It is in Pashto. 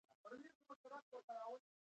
اوښکې ، اوښکې ستا دیاد په اوږو تلمه